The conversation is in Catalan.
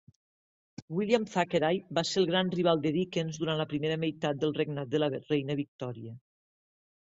William Thackeray va ser el gran rival de Dickens durant la primera meitat del regnat de la reina Victòria.